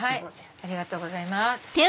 ありがとうございます。